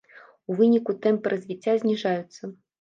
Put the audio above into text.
У выніку тэмпы развіцця зніжаюцца.